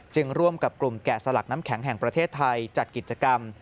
ร่วมกับกลุ่มแกะสลักน้ำแข็งแห่งประเทศไทยจัดกิจกรรม